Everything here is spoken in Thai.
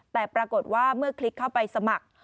แต่ปรากฏว่าเมื่อคลิกเข้าไปสมัคร